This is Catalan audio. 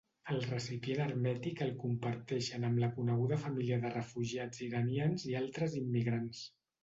El recipient hermètic el comparteixen amb la coneguda família de refugiats iranians i altres immigrants.